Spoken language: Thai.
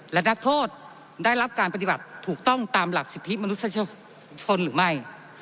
และนักโทษได้รับการปฏิบัติถูกต้องตามหลักสิทธิมนุษยชนหรือไม่